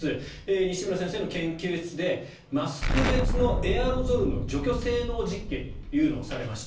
西村先生の研究室でマスク別のエアロゾル除去性能実験というのをされました。